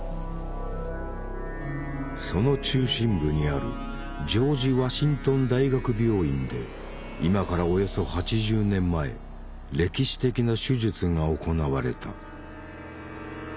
その中心部にあるジョージ・ワシントン大学病院で今からおよそ８０年前歴史的な手術が行われた。